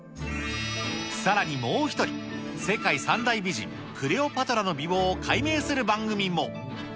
さらにもう一人、世界三大美人、クレオパトラの美貌を解明する番組も。